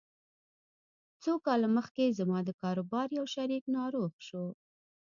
څو کاله مخکې زما د کاروبار يو شريک ناروغ شو.